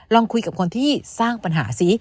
ลองคุยกับคนที่สร้างปัญหาซิ